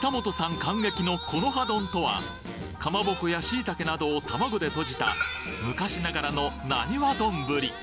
感激の木の葉丼とはかまぼこやしいたけなどを玉子でとじた昔ながらのなにわ丼